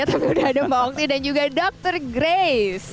tapi udah ada mbak okti dan juga dr grace